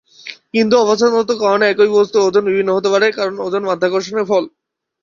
কিন্তু অবস্থানগত কারণে একই বস্তুর ওজন বিভিন্ন হতে পারে, কারণ ওজন মাধ্যাকর্ষণের ফল।